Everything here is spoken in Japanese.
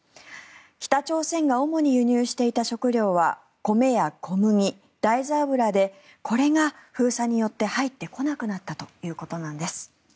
北朝鮮が主に輸入していた食糧は米や小麦、大豆油でこれが封鎖によって入ってこなくなったということです。